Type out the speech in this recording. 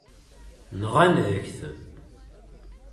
Nɣan-ak-t.